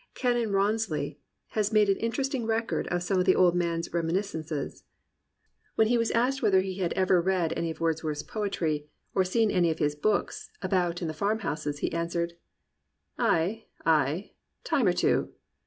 Canon Rawns ley has made an interesting record of some of the old man's reminiscences. Wlien he was asked whether he had ever read any of Wordsworth's 219 COMPANIONABLE BOOKS poetry, or seen any of his books about in the farm houses, he answered: "Ay, ay, time or two.